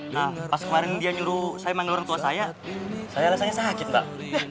nah pas kemarin dia nyuruh saya manggil orang tua saya saya rasanya sakit mbak